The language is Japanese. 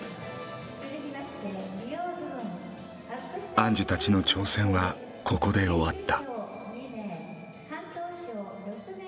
アンジュたちの挑戦はここで終わった。